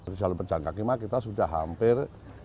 di jalan pencangkaki kita sudah hampir